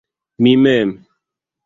Mi mem.